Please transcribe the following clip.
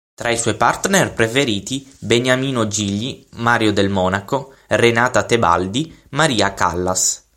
Tra i suoi partner preferiti Beniamino Gigli, Mario Del Monaco, Renata Tebaldi, Maria Callas.